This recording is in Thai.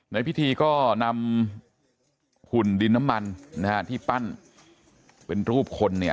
ในพิธีก็นำหุ่นดินน้ำมันนะฮะที่ปั้นเป็นรูปคนเนี่ย